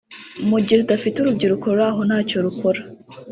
mu gihe tudafite urubyiruko ruraho ntacyo rukora